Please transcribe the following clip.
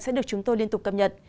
sẽ được chúng tôi liên tục cập nhật